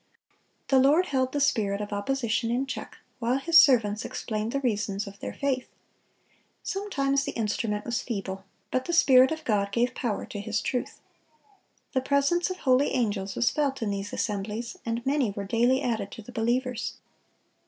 The Lord held the spirit of opposition in check while His servants explained the reasons of their faith. Sometimes the instrument was feeble; but the Spirit of God gave power to His truth. The presence of holy angels was felt in these assemblies, and many were daily added to the believers.